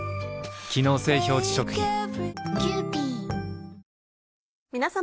機能性表示食品皆様。